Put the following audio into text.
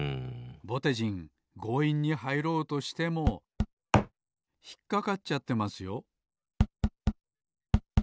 ぼてじんごういんにはいろうとしてもひっかかっちゃってますよ